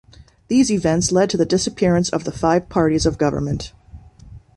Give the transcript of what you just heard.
These events led to the disappearance of the five parties of government.